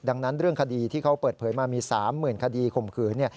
ดังนั้นเรื่องคดีที่เขาเปิดเผยมามี๓๐๐๐คดีข่มขืน